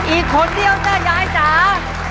อีกผลเดียวเจ้าย้ายจ๋า